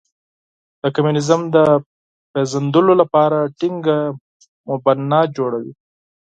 د کمونیزم د پېژندلو لپاره ټینګه مبنا جوړوي.